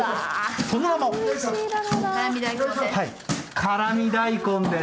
その名も、辛味大根です。